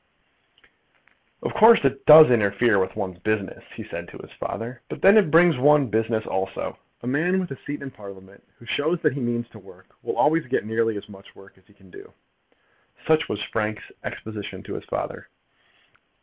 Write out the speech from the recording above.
"Of course it does interfere with one's business," he had said to his father, "but then it brings one business also. A man with a seat in Parliament who shows that he means work will always get nearly as much work as he can do." Such was Frank's exposition to his father.